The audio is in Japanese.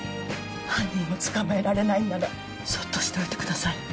犯人を捕まえられないならそっとしておいてください。